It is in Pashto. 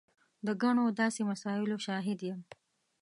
د ګڼو داسې مسایلو شاهد یم.